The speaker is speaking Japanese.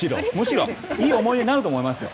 いい思い出になると思いますよ。